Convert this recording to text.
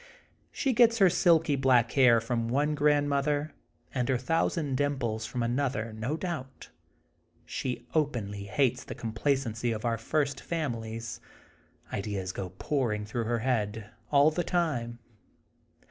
She gets her silky black hair from one grandmother, and her thousand dimples from another no doubt. She openly hates the complacency of our ''first families.'' Ideas go pouring through her head, all the time.